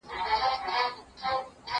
زه کولای سم موسيقي اورم؟!